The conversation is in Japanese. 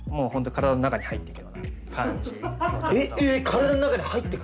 体の中に入っていく？